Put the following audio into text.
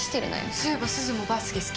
そういえばすずもバスケ好きだよね？